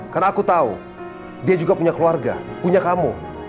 karena aku tahu dia juga punya keluarga punya kamu